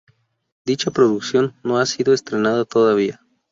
Dicha producción no ha sido estrenada todavía.